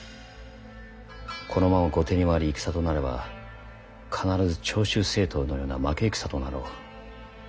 このまま後手に回り戦となれば必ず長州征討のような負け戦となろう。